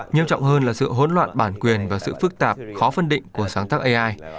nhiều trọng hơn là sự hỗn loạn bản quyền và sự phức tạp khó phân định của sáng tác ai